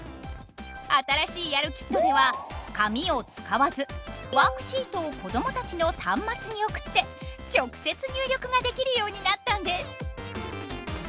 新しいやるキットでは紙を使わずワークシートを子供たちの端末に送って直接入力ができるようになったんです。